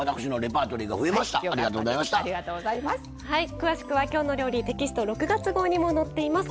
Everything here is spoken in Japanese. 詳しくは「きょうの料理」テキスト６月号にも載っています。